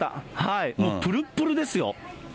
もうぷるっぷるですよ。